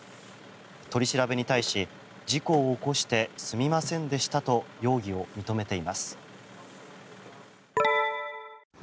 取り調べに対し、事故を起こしてすみませんでしたと容疑を認めています。